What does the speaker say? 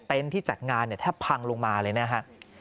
เต็นท์ที่จัดงานแทบพังลงมาเลยนะครับ